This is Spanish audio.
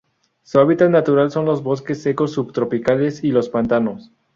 Su hábitat natural son los bosque secos subtropicales y los pantanos.